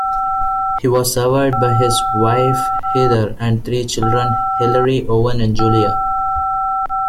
He was survived by his wife Heather and three children, Hilary, Owen and Julia.